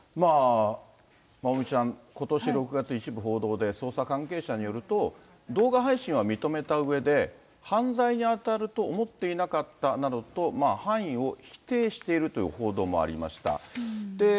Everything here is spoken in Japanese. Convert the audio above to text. まおみちゃん、ことし６月、一部報道で、捜査関係者によると、動画配信は認めたうえで、犯罪に当たると思っていなかったなどと、犯意を否定しているという報道もありました。